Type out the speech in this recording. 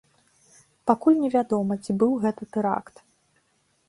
Пакуль невядома, ці быў гэта тэракт.